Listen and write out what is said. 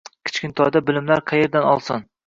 Kichkintoyda bilimlar qayerdan olsin.